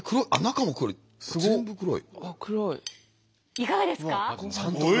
いかがですか？